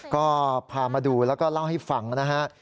ก็พามาดูแล้วก็เล่าให้ฟังนะฮะ